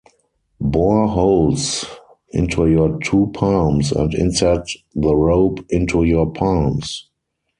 Bore holes into your two palms and insert the rope into your palms.